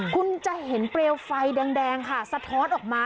คุณจะเห็นเปลวไฟแดงค่ะสะท้อนออกมา